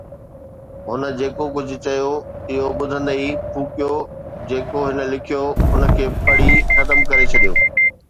هن جيڪو ڪجهه چيو، اهو ٻڌندي ئي ڦوڪيو، جيڪو هن لکيو، ان کي پڙهي ختم ڪري ڇڏيو.